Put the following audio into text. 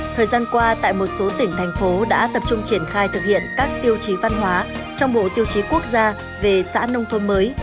thời gian qua tại một số tỉnh thành phố đã tập trung triển khai thực hiện các tiêu chí văn hóa trong bộ tiêu chí quốc gia về xã nông thôn mới